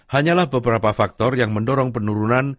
hanyalah beberapa faktor yang mendorong penurunan